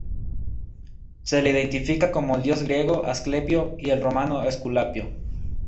Se le identifica con el dios griego Asclepio y el romano Esculapio.